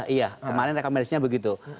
iya kemarin rekomendasinya begitu